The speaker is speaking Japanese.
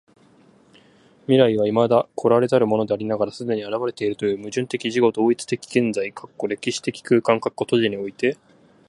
未来は未だ来らざるものでありながら既に現れているという矛盾的自己同一的現在（歴史的空間）において、